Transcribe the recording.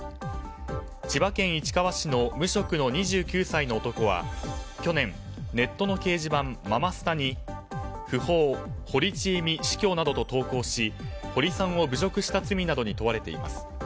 千葉県市川市の無職の２９歳の男は去年、ネットの掲示板ママスタに訃報、堀ちえみ、死去などと投稿し堀さんを侮辱した罪などに問われています。